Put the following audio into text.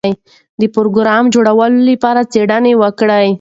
د پروګرام جوړولو لپاره څېړنه وکړئ.